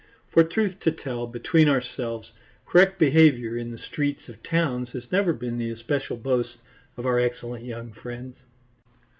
For truth to tell, between ourselves, correct behaviour in the streets of towns has never been the especial boast of our excellent young friends.